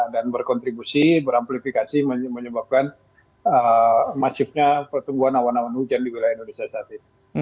dan berkontribusi beramplifikasi menyebabkan masifnya pertumbuhan awan awan hujan di wilayah indonesia saat ini